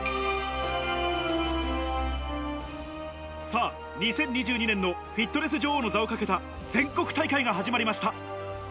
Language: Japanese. さぁ、２０２２年のフィットネス女王の座をかけた全国大会が始まりました。